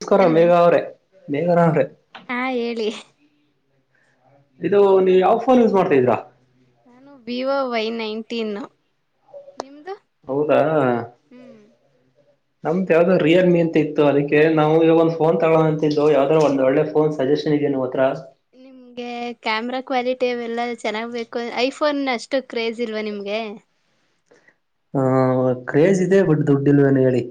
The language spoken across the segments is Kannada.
ನಮಸ್ಕಾರ ಹಲೋ ಮೇಘ ಅವ್ರೆ ಮೇಘರ ಅವ್ರೆ ಹಾ ಹೇಳಿ ಇದು ಏನ್ ನೀ ಮಾಡ ಯಾವ ಫೋನ್ ಯೂಸ್ ಮಾಡ್ತಾ ಇದ್ರಾ ಹಾ [inaudible] ನಾನು ವಿವೋ ವೈ ನೈನ್ಟೀನ್ ನಿಮ್ದು ಹೌದಾ ಹ್ಮ್ ನಮ್ದತ್ ಯಾವ್ದು ರಿಯಲ್ಮಿ ಅಂತ ಇತ್ತು ಅದಕ್ಕೆ ನಾವು ಈಗ ಒಂದಂದು ಫೋನ್ ತಗೋ ಅಂತಿದ್ದು ಯಾವ್ದ್ರ ಒಂದ್ ಒಳ್ಳೆ ಫೋನ್ ಸಜೆಷನ್ ಇದೆ ನೀವು ಹತ್ರ ನಿಮ್ಗೆ ಕ್ಯಾಮ್ರಾ ಕ್ವಾಲಿಟಿವೆಲ್ಲ ಚೆನ್ನಾಗ್ ಬೇಕು ಐಫೋನ್ ಅಷ್ಟು ಕ್ರೇಸ್ ಇಲ್ವಾ ನಿಮ್ಗೆ ಹ ಕ್ರೇಜ್ ಇದೆ ಬಟ್ ದುಡ್ಡಿ ಇಲ್ವೇನ್ ಹೇಳಿ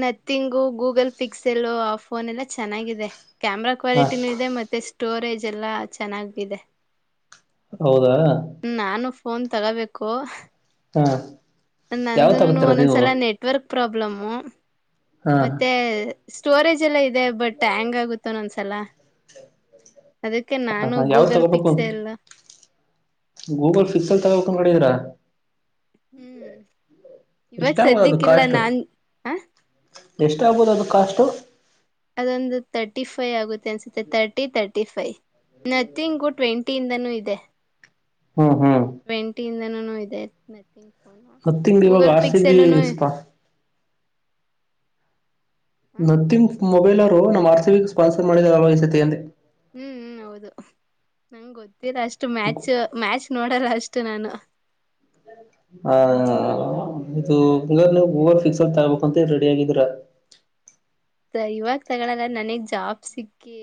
ನಥಿಂಗು, ಗೂಗಲ್ ಪಿಕ್ಸೆಲೂ, ಆ ಫೋನ್ ಎಲ್ಲಾ ಚೆನ್ನಾಗಿದೆ. ಕ್ಯಾಮರಾ ಹಾ ಕ್ವಾಲಿಟಿನೂ ಇದೆ ಮತ್ತೆ ಸ್ಟೋರೇಜ್ ಎಲ್ಲ ಚೆನ್ನಾಗಿದೆ. ಹೌದಾ? ನಾನು ಫೋನ್ ತಗೋಬೇಕು ಹಾ ಯಾವ್ ನಂದುನು ತಗೋತೀರಾ ನೀವು ಒಂದೊಂದ್ಸಲ ನೆಟ್ವರ್ಕ್ ಪ್ರಾಬ್ಲಮ್ ಪ್ರಾಬ್ಲಮ್ಮು ಹಾ ಮತ್ತೆ ಸ್ಟೋರೇಜ್ ಎಲ್ಲ ಇದೆ ಬಟ್ ಹ್ಯಾಂಗ್ ಆಗುತ್ ಒಂದೊಂದ್ ಸಲ. ಅದಕ್ಕೆ ನಾನು ಹ ಯಾವ್ದ್ ಗೂಗಲ್ ತಗೋಬೇಕು ಪಿಕ್ಸೆಲ್ ಗೂಗಲ್ ಪಿಕ್ಸೆಲ್ ತಗೋಬೇಕು ಅನ್ಕೊಂಡಿದಿರ? ಹ್ಮ್ ಇವಾಗ ಎಷ್ಟಾಗಬೋದು ಸದ್ಯಕ್ಕಿಲ್ಲ ನಾನ್, ಹ ಎಷ್ಟ್ ಆಗ್ಬೋದು ಅದು ಕಾಸ್ಟು? ಅದೊಂದು ತರ್ಟಿ ಫೈವ್ ಆಗುತ್ತೆ ತರ್ಟಿ ತರ್ ಫೈ, ನಥಿಂಗು ಟ್ವೆಂಟಿ ಇಂದನೂ ಇದೆ. ಹ್ಮ್ ಹ್ಮ್ ಟ್ವೆಂಟಿ ಇಂದನೂ ಇದೇ [unintelligible] ಹತ್ತ್ ತಿಂಗ್ಗಳು ಇವಾಗ [unintelligible] ಹ್ಮ್ ನಥಿಂಗ್ ಮೊಬೈಲ್ ಅವರು ನಮ್ಮ ಆರ್‌ಸಿಬಿಗೆ ಸ್ಪಾನ್ಸರ್ ಮಾಡಿದರೆ ಅಲ್ವಾ ಈ ಸತಿ ಅಂದೆ. ಹ್ಮ್ ಹ್ಮ್ ಹೌದು ನಂಗ್ ಗೊತ್ತ್ ರ ಅಷ್ಟು ಮ್ಯಾಚ್, ಮ್ಯಾಚ್ ನೋಡಲ್ಲ. ಅಷ್ಟು ನಾನು. ಹಾ. [unintelligible] ಹ್ಮ್ ಪಿಕ್ಸೆಲ್ ತಗಬೇಕು ಅಂತ ಹೇಳಿ ರೆಡಿ ಆಗಿದಿರ [unintelligible] ಇವಾಗ ತಗಳಲ್ಲ, ನನಿಗ್ ಜಾಬ್ ಸಿಕ್ಕಿ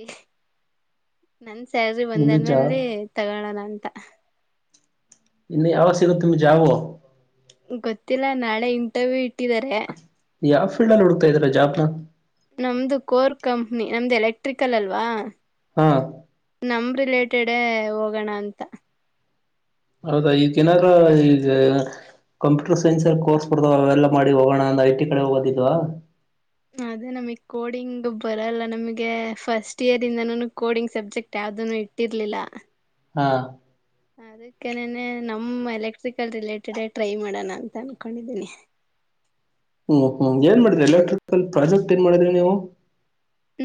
ನನ್ ಸ್ಯಾಲ್ರಿ ಬಂದ್ ನಿಮಗ್ ಜಾಬ್ ಆದ್ಮೇಲೆ ತಗೋಳೋಣ ಅಂತ. ಇನ್ನು ಯಾವಾಗ ಸಿಗುತ್ತ ನಿಮಗೆ ಜಾಬು? ಗೊತ್ತಿಲ್ಲ ನಾಳೆ ಇಂಟರ್ವ್ಯೂ ಇ ಇಟ್ಟಿದ್ದಾರೆ ಯಾವ ಫೀಲ್ಡ್ ಅಲ್ಲಿ ಹುಡುಕ್ತಾ ಇದೀರಾ ಜಾಬ್ ನ? ನಮ್ದು ಕೋರ್ ಕಂಪನಿ ನಮ್ದು ಎಲೆಕ್ಟ್ರಿಕಲ್ ಅಲ್ವಾ ಹಾ ನಮ್ ರಿಲೇಟೆಡೇ ಹೋಗೋಣ ಅಂತ. ಹೌದಾ, ಈಗ ಏನಾರ ಈಗ ಕಂಪ್ಯೂಟರ್ ಸೈನ್ಸ್ ಅಲ್ಲಿ ಕೋರ್ಸ್ ಕೊಡದಾವ ಅವೆಲ್ಲ ಮಾಡಿ ಹೋಗೋಣ ಅಂದ ಐ ಟಿ ಕಡೆ ಹೋಗೋ [unintelligible] ಅದೇ ನಮಗ್ ಕೋಡಿಂಗ್ ಬರಲ್ಲ. ನಮಗೆ ಫಸ್ಟ್ ಇಯರ್ ಇಂದನನು ಕೋಡಿಂಗ್ ಸಬ್ಜೆಕ್ಟ್ ಯಾವ್ದನು ಇಟ್ಟಿರ್ಲಿಲ್ಲ ಹಾ ಅದಕ್ಕೆನೆ ನಮ್ಮ ಎಲೆಕ್ಟ್ರಿಕಲ್ ರಿಲೇಟೆಡೇ ಟ್ರೈ ಮಾಡೋಣ ಅಂತ ಅನ್ಕೊಂಡಿದೀನಿ. ಹ್ಮ್ ಹ್ಮ್ ಏನ್ ಮಾಡಿದ್ರಿ ಎಲೆಕ್ಟ್ರಿಕಲ್ ಪ್ರಾಜೆಕ್ಟ್ ಏನ್ ಮಾಡಿದ್ರಿ ನೀವು?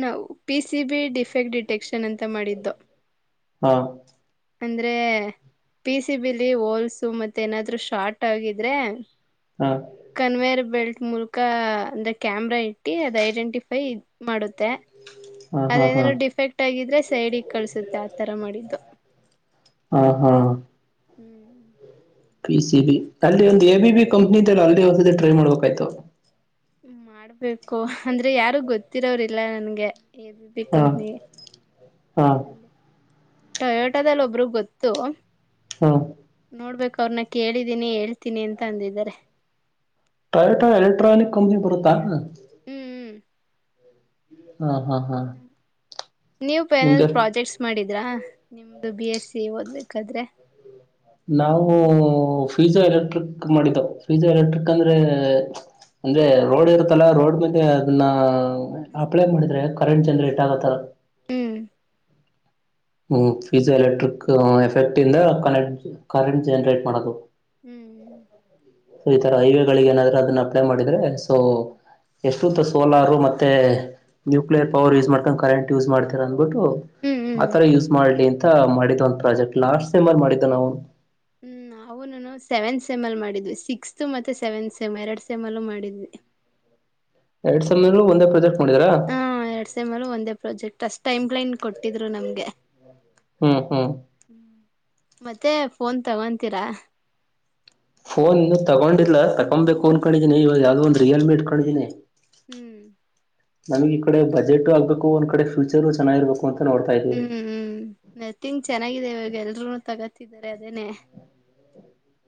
ನಾವು ಪಿಸಿಬಿ ಡಿಫೆಕ್ಟ್ ಡಿಟೆಕ್ಷನ್ ಅಂತ ಮಾಡಿದ್ದು. ಹಾ. ಅಂದ್ರೆ ಪಿಸಿಬಿ-ಲಿ ಹೋಲ್ಸು ಮತ್ತೆ ಏನಾದ್ರು ಶಾರ್ಟ್ ಆಗಿದ್ರೆ ಹಾ ಕನ್ವೇಯರ್ ಬೆಲ್ಟ್ ಮೂಲಕ ಅಂದ್ರ, ಕ್ಯಾಮ್ರಾ ಇಟ್ಟಿ ಅದು ಐಡೆಂಟಿಫೈ ಮಾಡುತ್ತೆ. ಹಾ ಹಾ ಹಾ ಅಲ್ಲೇನಾದ್ರೂ ಡಿಫೆಕ್ಟ್ ಆಗಿದ್ರೆ ಸೈಡಿಗೆ ಕಳ್ಸುತ್ತೆ ಆತರ ಮಾಡಿದ್ದು. ಹಾ ಹಾ ಹ್ಮ್ ಹ್ಮ್. P C B. ಅಲ್ಲಿ ಒಂದ್ ಎಬಿಬಿ ಕಂಪನಿ ಅಲ್ಲಿಗ್ ಒಂದ್ಸಲ ಟ್ರೈ ಮಾಡ್ಬೇಕಿತ್ತು. ಮಾಡ್ಬೇಕು, ಅಂದ್ರೆ ಯಾರು ಗೊತ್ತಿರೋರಿಲ್ಲ ನನ್ಗೆ. ಎಬಿಬಿ ಹಾ ಕಂಪನಿ ಹಾ ಟೊಯೋಟದಲ್ಲಿ ಒಬ್ಬರು ಗೊತ್ತು ಹಾ. ನೋಡ್ಬೇಕು ಅವ್ರನ್ನ ಕೇಳಿದೀನಿ ಹೇಳ್ತೀನಿ ಅಂತ ಅಂದಿದ್ದಾರೆ. ಟೊಯೋಟಾ ಎಲೆಕ್ಟ್ರಾನಿಕ್ ಕಂಪ್ನಿ ಬರುತ್ತಾ. ಹ್ಮ್ ಹ್ಮ್. ಹಾ ಹಾ ಹಾ ನೀವು ಫೈನಲಲ್ ನಿಮ್ದೆ ಪ್ರಾಜೆಕ್ಟ್ಸ್ ಮಾಡಿ ್ರ ನಿಮ್ದು ಬಿ ಎಸ್ ಸಿ ಓದ್ಬೇಕಾದ್ರೆ? ನಾವು ಫೀಜೋ ಎಲೆಕ್ಟ್ರಿಕ್ ಮಾಡಿದ್ದೇವು. ಫೀಜೋ ಎಲೆಕ್ಟ್ರಿಕ್ ಅಂದ್ರೆ, ಅಂದ್ರೆ ರೋಡ್ ಇರುತ್ತಲ್ಲ, ರೋಡ್ ಮೆ [unintelligible] ಅದನ್ನ [unintelligible] ಮಾಡಿದ್ರೆ ಕರೆಂಟ್ ಜನರೇಟ್ ಆಗುತ್ತೆ ಹ್ಮ್ ಹ್ಮ ಫ್ಯೂಸ್ ಎಲೆಕ್ಟ್ರಿಕ್ ಎಫೆಕ್ಟ್ ಇಂದ ಕರೆಂಟ್ ಕರೆಂಟ್ ಜನರೇಟ್ ಮಾಡೋದು ಸೊ ಈ ತರ ಹ್ಮ್ ಹೈವೇಗಳಿಗೆ ಏನಾದ್ರೂ ಅದನ್ನ ಅಪ್ಲೈ ಮಾಡಿದ್ರೆ ಸೊ, ಹ್ಮ್ ಎಷ್ಟು [unintelligible] ಸೋಲಾರು, ಮತ್ತೆ ನ್ಯೂಕ್ಲಿಯರ್ ಪವರ್ ಯೂಸ್ ಮಾಡ್ಕೊಂಡು ಕರೆಂಟ್ ಯೂಸ್ ಮಾಡ್ತಿರ ಬಿಟ್ಟು ಹ್ಮ್ ಹ್ಮ್ ಆತರ ಯೂಸ್ ಮಾಡ್ಲಿ ಅಂತ ಮಾಡಿದ್ ಒಂದು ಪ್ರಾಜೆಕ್ಟ್ ಲಾಸ್ಟ್ ಸೆಮ್ ಅಲ್ಲಿ ಮಾಡಿದ್ದ ನಾವು. ಹ್ಮ್ ನಾವುನು ಸೆವೆಂತ್ ಸೆಮ್ ಅಲ್ಲಿ ಮಾಡಿದ್ವಿ. ಸಿಕ್ಸ್ತ್ ಮತ್ತೆ ಸೆವೆಂತ್ ಸಮ್, ಎರಡು ಸೆಮ್ ಅಲ್ಲು ಮಾಡಿದ್ವಿ. ಎರಡ್ ಸೆಮ್ಮಿಗೂ ಒಂದೇ ಪ್ರೊಜೆಕ್ಟ್ ಹ ಎರಡ್ ಸೆಮ್ ಅಲ್ಲು ಒಂದೇ ಪ್ರಾಜೆಕ್ಟ್. ಪಸ್ಟ್ ಟೈಮ್ ಲೈನ್ ಕೊಟ್ಟಿದ್ರು ನಮ್ಗೆ ಹಾ ಹಾ ಮತ್ತೆ ಫೋನ್ ತಗೊಂತೀರಾ ಫೋನ್ ಇ ತಗೊಂಡಿಲ್ಲ ತಕೊಬೇಕು ಅನ್ಕೊಂಡಿದೀನಿ ಇವಾಗ ಯಾವ್ದೋ ಒಂದ್ ರಿಯಲ್ ಮಿ ಇಟ್ಕೊಂಡಿದೀನಿ ಹ್ಮ್ ನಮಗ್ ಈ ಕಡೆ ಬಜೆಟು ಆಗ್ಬೇಕು ಒಂದ್ ಕಡೆ ಫ್ಯೂಚರು ಚೆನ್ನಾಗಿ ಇರ್ಬೇಕು ಅಂತ ನೋಡ್ತಾ ಇದೀವಿ ಹ್ಮ್ ಹ್ಮ್ ಮೆ ತಿಂಗ ಚೆನ್ನಾಗಾಗಿದೆ ಇವಾಗ ಎಲ್ರುೂನು ತಗತ್ತ ತಿದ್ದ್ ತಾಯಿದ್ದೀನಿ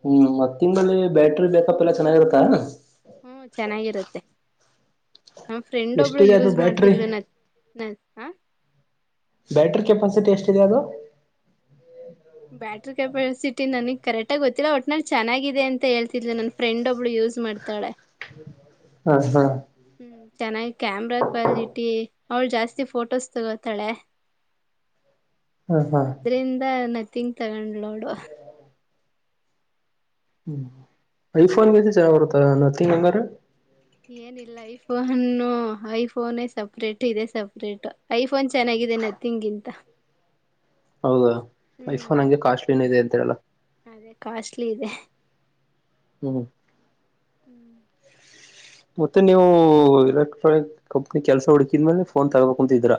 ಹ್ಮ್ ಮತ್ತಿ ತಿಂದಲ್ಲಿ ಬ್ಯಾಟ್ರಿ ಬ್ಯಾಕಪ್ ಎಲ್ಲಾ ಚೆನ್ನಾಗಿರತ್ತಾ ಹ್ಮ್ ಚೆನ್ನಾಗಿರುತ್ತೆ ನಮ್ಮ ಫ್ರೆಂಡ್ ಒಬ್ಳ ಎಷ್ಟಿದೆ ಅದು ಯೂಸ್ ಬ್ಯಾಟ್ರಿ ಮಾಡ್ತಿದ್ಲು ಹ ಬ್ಯಾಟ್ರಿ ಕೆಪಾಸಿಟಿ ಎಷ್ಟಿದೆ ಅದು ಬ್ಯಾಟ್ರಿ ಕೆಪಾಸಿಟಿ ನನಗ್ ಕರೆಕ್ಟಾಗಿ ಗೊತ್ತಿಲ್ಲ ಒಟ್ನ ಚೆನ್ನಾಗಿದೆ ಅಂತ ಹೇಳ್ತಿದ್ ನನ್ನ ಫ್ರೆಂಡ್ ಒಬ್ಳು ಯೂಸ್ ಮಾಡ್ತಾಳೆ ಹ ಹಾ ಹ್ಮ್ ಚೆನ್ನಾಗಿ ಕ್ಯಾಮ್ರಾ ಕ್ವಾಲಿಟಿ ಅವಳು ಜಾಸ್ತಿ ಫೋಟೋಸ್ ತಗೋತಾಳೆ ಹಾ ಹಾ ಅದ್ರಿಂದ ನ ತಿಂಗ ತಗೊಂಡು ಅವಳು ಹ್ಮ್ [unintelligible] ಐಫೋನ್ ಕ್ಕಿಂತ ಚೆನ್ನಾಗಿ ಬರುತ್ತ ಆ ನತಿ ನಗರ್ ಏನಿಲ್ಲ ಐಫೋನು ಐಫೋನೇ ಸಪ್ರೇಟ್ ಇದೆ ಸಪ್ರೇಟ್ ಐ ಫೋನ್ ಚೆನ್ನಾಗಿದೆೇ ನೆತಿಗಿಂತ ಹೌದಾ ಹ್ಮ್ ಐಫೋನ್ ಹಂಗೆ ಕಾಸ್ಟ್ಲ ಏ ಇದೆ ಹ [unintelligible] ಅದೇ ಕಾಸ್ಟ್ಲಿ ಇದೆ ಹ್ಮ್ ಹ್ಮ್ ಮತ್ತೆ ನೀವು ಎಲೆಕ್ಟ್ರಾನಿಕ್ ಕಂಪ್ನಿ ಕೆಲ್ಸ ಹುಡುಕಿದ್ಮೇಲೆ ಫೋನ್ ತಗಬೇಕಕ್ಂತಿದ್ರ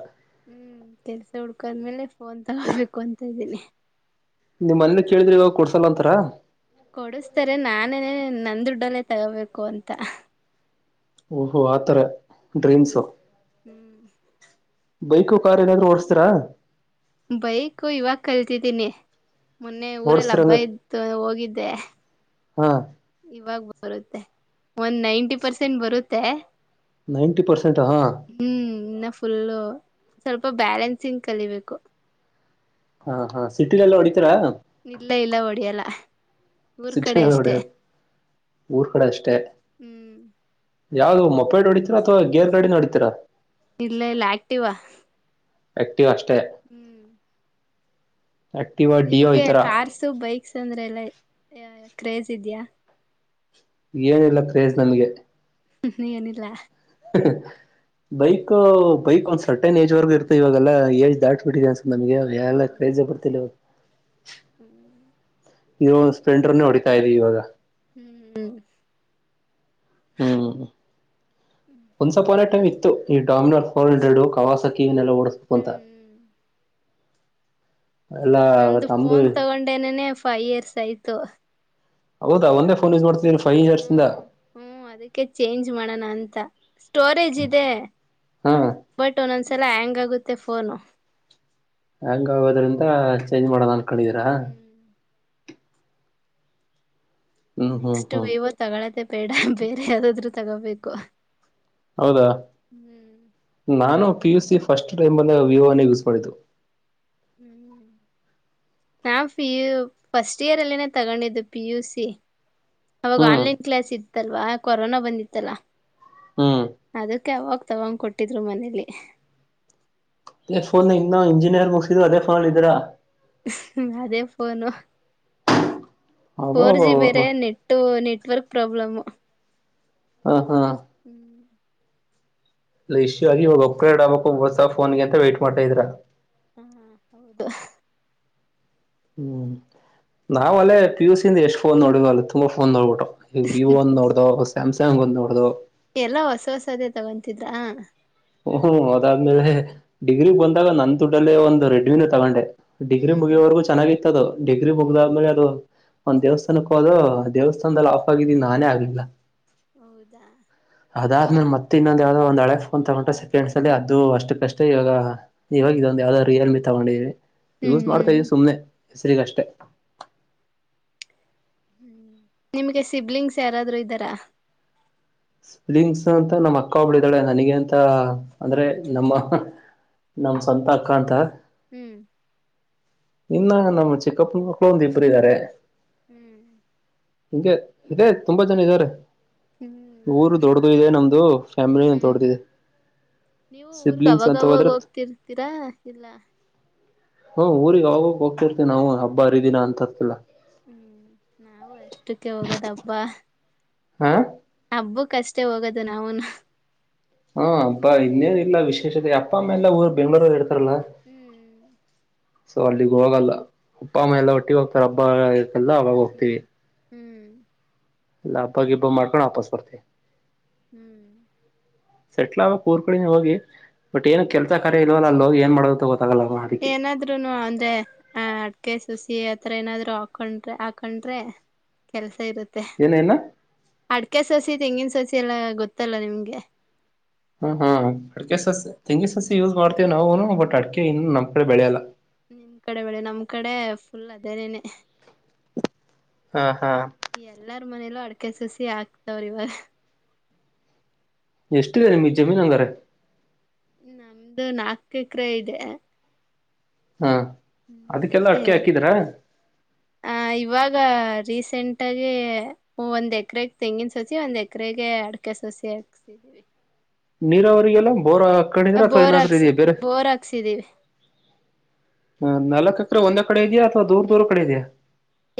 ಹ್ಮ್ ಕೆಲ್ಸ ಹುಡ್ಕೋಾದ್ಮೇಲೆ ಫೋನ್ ತಗಬೇಕು ಅಂತ ಇದ್ದೀನಿ ನಿಮ್ ಮನಲ್ಲಿ ಕೇಳಿದ್ರೆ ಇವಾಗ ಕೊಡ್ಸಲ್ಲ ಅಂತಾರ ಕೊಡಸ್ತಾರೆ ನಾನೇ ನಂದ ದುಡ್ಡಲ್ಲೇ ತಗೋಬೇಕು ಅಂತ ಓಹೋ ಆತರ ಹ್ಮ್ ಡ್ರೀಮ್ಸು ಹ್ಮ್ ಬೈಕ ಕಾರ್ ಏನಾದ್ರು ಓಡಸ್ತರಾ ಬೈಕು ಇವಾಗ ಕಲ್ತಿದ್ದೀನಿ ಮೊನ್ನೆ ಊರಲ್ಲಿ ಓಡಸ್ತೀರ ಹಬ್ಬ ಹಂಗಾರೆ ಇತ್ತು ಹೋಗಿದ್ದೆ ಹಾ ಇವಾಗ ಬರುತ್ತೆ ಒಂದ್ ನೈಂಟಿ ಪರ್ಸೆಂಟ್ ಬರುತ್ತೆ ನೈಂಟಿ ಪರ್ಸೆಂಟ್ ಹಾ ಹ್ಮ್ ಇನ್ನ ಫುಲ್ಲು ಸ್ವಲ್ಪ ಬ್ಯಾಲೆನ್ಸಿಂಗ್ ಕಲಿಬೇಕು ಹಾ ಹಾ ಸಿಟಿಲೆಲ್ಲ ಹೊಡಿತೀರಾ ಇಲ್ಲ ಇಲ್ಲ ಹೊಡಿಯಲ್ಲ ಊರ್ ಕಡೆ ಸಿಟಿಯಲ್ಲಿ ಎಲ್ಲ ಅಷ್ಟೆ ಹೊಡಿಯಲ್ಲ ಊರ್ ಕೂಡೆ ಅಷ್ಟೆ ಹ್ಮ್ ಯಾವ್ದು [unintelligible] ನೋಡಿತೀರ ಅಥವಾ ಗೇರ್ ಗಾಡಿ ಹೊಡೀತೀರಾ ಇಲ್ಲ ಇಲ್ಲ Activa A [unintelligible] hmm Activa Dio ಈ ನಿಮ್ಗೆ ತರ ಕಾರ್ಸ ಬೈಕ್ಸ್ ಅಂದ್ರೆ ಎಲ್ಲ [unintelligible] ಕ್ರೇಜ ಇದೆಯಾ ಏನಿಲ್ಲ ಕ್ರೇಜ್ ನನ್ಗೆ [unintelligible] ಏನಿಲ್ಲ [unintelligible] ಬೈಕ್ ಬೈಕ್ ಒಂದ್ ಸರ್ಟೆನ್ ಏಜ್ ವರೆಗ ಇರ್ತ ಇವಾಗಲ್ಲಾ ಏಜ್ ದಾಟ್ಬಿಟ್ಟಿದೆ ನಮಗೆ ಎಲ್ಲ ಕೈಜೆ ಹ್ಮ್ ಬರ್ತಿಲ ಇವಾಗ ಇದು ಹೌದು ಸ್ಪಲೆಂಡರ್ನ ಹೊಡ [unintelligible] [unintelligible] ರಿ ಇವಾಗ ಹ್ಮ್ ಹ್ಮ್ ಹ್ಮ್ ಒಂದ್ಸಪನ ಟೈಮ್ ನನ್ ಇತ್ತು ಈ ಡಾಮಿನೋಲ್ [unintelligible] [unintelligible] ಲ್ರಡು ಕವಾಸಕಿ [unintelligible] ಟಿವ ವಿನೆಲ್ಲ ಓಡಿಸ್ಬೇಕು ಅಂತ ಹ್ಮ್ ಎಲ್ಲಾ ನಂದು ನಮ್ದು ಫೋನ್ ತಗೊಂಡೇನನೆ ಫೈವ್ ಇಯರ್ಸ್ ಆಯ್ತು ಹೌದಾ ಒಂದೇ ಅದಕ್ಕೆ ಫೋನ್ ಯೂಸ್ ಮಾಡ್ತಿದೀರಿ ಫೈವ್ ಇಯರ್ಸ್ ಇಂದ ಹ್ಮ ಹ್ಮ್ ಅದಕ್ಕೆ ಚೇಂಜ್ ಮಾಡೋಣ ಅಂತ ಸ್ಟೋರೇಜ್ ಇದೆ ಹಾ ಬಟ್ ಒಂದೊಂದ್ಸಲ ಹ್ಯಾಂಗ್ ಆಗುತ್ತೆ [unintelligible] ತ್ತೆಫೋನು ಹೆಂಗ ಆಗೋದ್ರಿಂದ ಚೇಂಜ್ ಮಾಡೋದಂ [unintelligible] ಕಳಿದೀರಾ [unintelligible] ಹ್ಮ್ ಹ್ಮ್ ಹ್ಮ್ ನೆಕ್ಸ್ಟ್ ಹ್ಮ್ ಇವೋ ತಗಳತ್ತ ಬೇಡ ಬೇರೆ ಯಾವ್ದಾದ್ರು [unintelligible] ತಗೋಬೇಕು ಹೌದಾ ಹ್ಮ್ ನಾನು ಪಿ ಯುಸಿ ಫಸ್ಟ್ ಟೈಮ್ ಅ ವಿವೋನ ಯೂಸ್ ಮಾಡಿತು ಹ್ಮ ನಾ ಪಿ ಯು ಫಸ್ಟ್ ಇಯರ್ ಅಲ್ಲಿನೆ ತಗೊಂಡಿದ್ದು ಪಿ ಯು ಸಿ ಅವಾಗ ಹ್ಮ್ ಆನ್ಲೈನ್ ಕ್ಲಾಸ್ ಇ ತ್ತಲ್ವಾ ಕೊರೋನಾ ಬಂದಿತ್ತಲ್ಲ ಹ್ಮ್ ಕ್ಕೆ ಯಾವಾಗ ತಗಂಗ್ ಕೊಟ್ಟಿದ್ರು ಮನೇಲಿ ಅದ ಫೋನ್ ಇನ್ನ ಇಂಜಿನಿಯರ್ ಮುಗಸಿದ್ರು ಅದೇ ಫೋಲ್ ಇದ್ರಾ ಅದೇ ಪನು [unintelligible] ಫೋರ್ ಜಿ ಅಬ್ಬಬ್ಬಬ್ಬ ಬೇರೆ ನೆಟ್ಟು ನೆಟ್ ವರ್ಕ್ ಪ್ರಾಬ್ಲಮು ಹಾ ಹಾ [inaudible] ಇಲ್ಲ ಇಶ್ಯೂ ಆಗಿ ಇವಾಗ ಒಪ್ರೇಡ್ ಆಗ್ಬೇಕುಸ ಫೋನ್ಗೆ ಅಂತ ವೈಟ್ ಮಾಡ್ತಾ ಇದ್ರ [inaudible] ಹ್ಮ್ ನಾವ್ಲ್ಲೇ ಪಿಯ ಯುಸಿಂದ ಎಷ್ಟ್ ಫೋನ್ ನೋಡ್ ಅಲ್ಲ ತುಂಬಾ ಫೋನ್ ನೋಡ್ಬಿಟ್ಟು ವ್ಯೂ ಒಂದ ನೋಡ್ದ [unintelligible] ಸಾಮಸಂಗ್ ಒಂದುಬಡದು ಎಲ್ಲಾ ಹೊಸ ಹೊಸದೇ ತಗೊಂತಿದ್ರಾ ಹ್ಮ್ ಅದಾದ್ಮೇಲೆ ಡಿಗ್ರಿ ಬಂದಾಗ ನನ್ ದುಡ್ಡಲ್ಲೇ ಒಂದು ರೆಡ್ನೂ ತಗೊಂಡೆ ಡಿಗ್ರಿ ಹ್ಮ್ ಮುಗಿಯುವವರೆಗೂ ಚೆನ್ನಾಗಿತ್ತು ಅದು ಡಿಗ್ರಿ ಮುಗ್ದ ಹ್ಮ್ ಮಲೆ ಅದು ಒಂದ್ ದೇವಸ್ಥಾನಕ್ ಹೋದು ದೇವಸ್ಥಾನದಲ್ಲಿ ಆಫ್ ಆಗಿದ್ದೀನಿ ನಾನೇ ಆಗ್ಲಿಲ್ಲ ಹೌದಾ ಅದಾದ್ಮಲೆ ಮತ್ತೆ ಇನ್ನೊಂದು ಯಾವವುದೋ ಒಂದು ಹಳೆ ಒಂದು ತಗೊಂಡ್ರೇ ಸೆಕೆಂಡ್ಸಲ್ಲಿ ಅದು ಅಷ್ಟಕ್ಕಷ್ಟೇ ಇವಾಗ.. ಇವಾಗ ಹ್ಮ್ ಇದೊಂದ ಯಾವುದೂ ರಿಯಲ್ ಮೀ.. ತಗೊಂಡಿದ್ದಿ ಹ್ಮ್ ಯೂಸ್ ಮಾಡ್ತಾ ಇಧಿವ ಹ್ಮ್ ಸುಮ್ನೆ ಹೆಸರಿಗಷ್ಟೆ ಹ್ಮ ನಿಮ್ಗೆ ಸಿಬ್ಲಿಂಗ್ಸ್ ಯಾರಾದ್ರೂ ಇದ್ದಾರಾ ಸ್ಪಲಿಂಗ್ಸ್ ಅಂತ ನಮ್ಮ ಅಕ್ಕ ಒಬ್ಳು ಇದಿದಾಳೆ ನನಗೆ ಅಂತ ಅಂದ್ರೆ ನಮ್ಮ.. ನಮ್ಮ ಹ್ಮ್ ಸಂತ ಅಕ್ಕ ಅಂತ ಹ್ಮ್ ಇನ್ನ ನಮ್ಮ ಚಕ್ಕಪ್ಪನ ಮಕ್ಕಳು ಒಂದ ಇಬ್ಬರ ಇದ್ದಾರೆ [inaudible] ನಿಂಗೆ ಇದೆ ತುಂಬಾ ಜನ ಇದಾರೆ ಹ್ಮ್ ಹ್ಮ್ ಊರು ದೊಡ್ಡದು ಇದೆ ನಮ್ದು ಫ್ಯಾಮಿಲಿ ದೊಡ್ಡ್ದಿದೆ ನೀವು ಊರ್ಗ್ ಸಿಬ್ಲಿಂಗ್ಸ್ ಅಂತ ಅವಾಗವಾಗ ಹೋದ್ರೆ.. ಹೋಗ್ತಿರ್ತೀರಾ ಇಲ್ಲ. ಹ್ಮ ಊರಿಗೆ ಅವಾಗಕ್ ಹೋಗ್ತಿರ್ತಿವಿ ನಾವು ಹಬ್ಬ ಹರಿದಿನಾ ಅಂದಕೆಲ್ಲ ಹ್ಮ್ ನಾವು ಅಷ್ಟಕ್ಕೆ ಹೋಗೋದ ಹಬ್ಬಾ.. ಹಾ ಹಬ್ಬುಕ ಅಷ್ಟೇ ಹೋಗೋದು ನಾವುನೂ ಹಾ ಹಬ್ಬಾ ಇನ್ನೇನ ಇಲ್ಲ ವಿಶೇಷತೆ ಅಪ್ಪ ಅಮ್ಮ ಎಲ್ಲ ಊರು ಬೆಂಗಳೂರು ಅಲ್.. ಆತರಲ್ಲ ಹ್ಮ್ ಸೊ ಅಲ್ಲಿಗ್ ಹೋಗಲ್ಲ ಅಪ್ಪ ಅಮ್ಮ ಎಲ್ಲ ಒಟ್ಟಿಗೆ ಹೋಗ್ತಾರೆ ಹಬ್ಬ.. ಎಲ್ಲ ಅವಾಗ ಹ್ಮ್ ಹೋಗ್ತೀವಿ ಹ್ಮ್ ಅಲ್ಲ ಹಬ್ಬಾಗಿಬ್ಬ ಮಾಡ್ಕೊಂಡ ವಾಪಾಸ್ ಬರ್ತೀವಿ ಹ್ಮ್ ಸೆಟ್ಲ್ ಆಗೋದ ಕೂರ್ ಕಡೆನೆ ಹೋಗಿ ಬಟ್ ಏನ ಹ್ಮ್ ಕೆಲ್ಸ ಕಾರ್ಯ ಇಲ್ವಲ್ಲ ಅಲ ಹೋಗಿ.. ಮಾಡೋದ ಅಂತ ಗೊ.. ಏನಾದ್ರುನು ಅಂದೆ ಆ ಕೆಸ್.. ಸಸಿ ಆತ್ರ ಏನಾದ್ರು ಹಾಕೊಂಡ್ರೆ ಹಾಕೊಂಡ್ರೆ ಕೆಲ್ಸ.. ಇರತ್ತೆ ಏನೇನ ಅದ್ಕೆ ಸಸಿ ತೆಂಗಿನ ಸ... ಸಸಿ ಎಲ್ಲ ಗೊತ್ತಲ್ಲ ನಿಮ್ಗೆ ಹ್ಮ್ ಹ್ಮ್ ಅಡಿಕೆ ಸಸಿ ತೆಂಗಿ ಸಸಿ ಯೂಸ್ ಮಾಡ್ತೀವಿ ನಾವುನು ಬಟ್ ಅಡಕೆ ಇನ್ನು ನಮ್ ಕಡೆ ಬೆಳೆಯಲ್ಲ ನಿಮ್ ಕಡೆ ಬೆಳೆ ನಮ್ ಕಡೆ ಫುಲ್ ಅದೇನೇನೆ ಹಾ ಹಾ ಎಲ್ಲಾರ ಮನೆಲೂ ಅಡ... ಅಡ್ಕೆ ಸಸಿ ಆಗ್ತವ್ರ ಇವ ಎಷ್ಟಿದೆ ನಿಮ್ ಜಮೀನ್ ಹಂಗಾರೆ ನಮ್ದು ನಾಕ ಎಕರೆ ಇದೆ ಹಾ ಅದಕ್ಕೆಲ್ಲ ಅಡಿಕೆ ಹಾಕಿದ್ರ ಆ ಇವಾಗ ರೀ.. ಎಂಟಾಗಿ ಒಂದ್ ಎಕರೆಗೆ ತೆಂಗಿನ ಸಸಿ ಒಂದ್ ಎಕರೆಗೆ ಅಡಕೆ ಸಸಿ ಹಾಕ್ಸಿದೀವಿ ನೀರಾವರಿಗೆಲ್ಲ ಬೋರ ಬೋರಾ ಹಾಕ್ಸ್ ಬೋರಾ ಹಾಕ್ಸ್ ಇದ್ದೀವಿ ಹ ನಾಲ್ಕಕ್ರ ಒಂದ ಕಡೆ ಇದೆಯಾ ಅಥವಾ ದೂರ್ ದೂರ್ ಕಡೆ ಇದೆಯಾ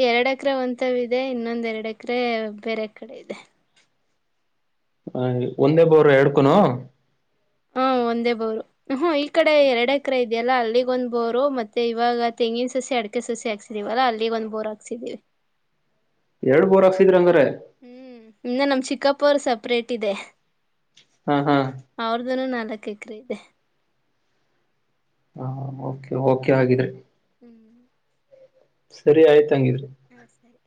ಎರಡ್ ಎಕರೆ ಒಂತವ ಇದೆ ಇನ್ನೊಂದ ಎರಡ್ ಎಕರೆ ಬೇರೆ ಕಡೆ ಇದೆ ಹ ಒಂದೇ ಬೋರ್ ಎಡ್ಕೊನು ಹಾ ಒಂದೇ ಬೋರು ಹು ಹೂ ಈ ಕಡೆ ಎರಡೆ ಎಕರೆ ಇದೆಯಲ್ಲಾ ಅಲ್ಲಿಗೊಂದ್ ಬೋರು ಮತ್ತೆ ಇವಾಗ ತೆಂಗಿನ ಸಸಿ ಅಡಕೆ ಸಸಿ ಹಾಕ್ಸಿದೀವಲ್ಲಾ ಅಲ್ಲಿಗೊಂದ್ ಬೋರ್ ಹಾಕ್ಸಿದೀವಿ ಎರಡ್ ಬೋರ್ ಹಕ್ಸಿದ್ರಿ ಅಂಗರೇ ಹ್ಮ್ ಇನ್ನೆ ನಮ್ ಚಿಕ್ಕಾಪುರ್ ಸಪ್ಪ ಪ್ರೇಟಿದೆ ಹಾ ಹಾ ಅವರದೊಂದ್ ಹತ್ತಕ್ರೆ ಇದೆ ಹಾ ಓಕೆ ಓಕೆ ಹಾಗಗಿದ್ರೆ ಹ್ಮ್ ಸರಿ ಆಯ್ತಂಗಿರ್ ಹಾ ಸರಿ